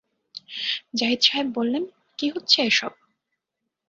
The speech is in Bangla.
জাহিদ সাহেব বললেন, কী হচ্ছে এ-সব!